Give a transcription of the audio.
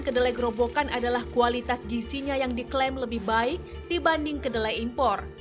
kedelai yang diklaim lebih baik dibanding kedelai impor